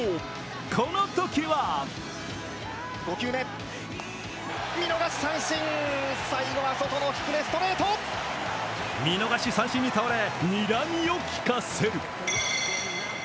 このときは見逃し三振に倒れ、にらみをきかせる。